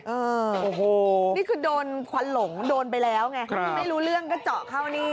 เออโอ้โหนี่คือโดนควันหลงโดนไปแล้วไงไม่รู้เรื่องก็เจาะเข้านี่